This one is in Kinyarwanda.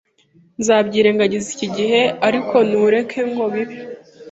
Nzabyirengagiza iki gihe, ariko ntureke ngo bibe.